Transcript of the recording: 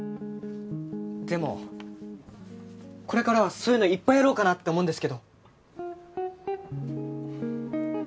でもこれからはそういうのいっぱいやろうかなって思うんですけど。